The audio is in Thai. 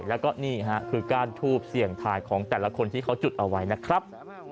แล้วก็นี่ฮะคือก้านทูบเสี่ยงทายของแต่ละคนที่เขาจุดเอาไว้นะครับ